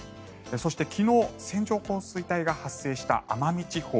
そして、昨日線状降水帯が発生した奄美地方。